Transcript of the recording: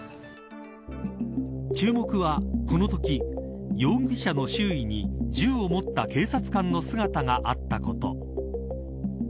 注目は、このとき容疑者の周囲に銃を持った警察官の姿があったこと。